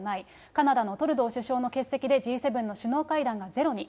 カナダのトルドー首相の欠席で、Ｇ７の首脳会談がゼロに。